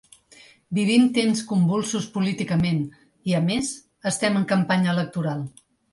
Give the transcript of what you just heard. Vivim temps convulsos políticament i, a més, estem en campanya electoral.